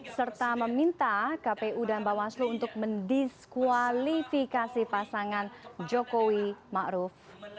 serta meminta kpu dan mbak waslu untuk mendiskualifikasi pasangan jokowi ma'ruf